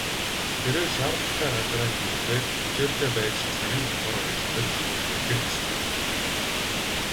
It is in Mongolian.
Тэрээр шаардлагатай газраа нэвтрээд тэвчээртэй байж цаг нь болохоор ажиллаж эхлэх ёстой.